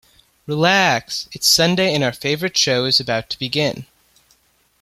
Relax! It's Sunday and our favorite show is about to begin!